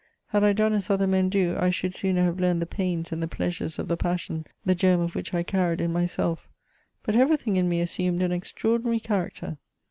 Had I done as other men do, I should sooner have learned the pains and the pleasures of the passion, the germ of which I carried in myself; but everything in me assumed an extraordinary character.